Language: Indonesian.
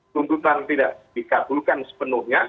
tuntutan tidak dikabulkan sepenuhnya